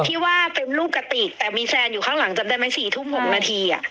ที่ว่าเป็นลูกกะติกแต่มีแฟนอยู่ข้างหลังจำได้ไหม๔ทุ่ม๖นาที